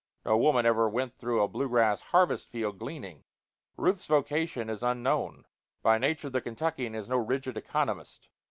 No woman ever went through a blue grass harvest field gleaning. Ruth's vocation is unknown. By nature the Kentuckian is no rigid economist.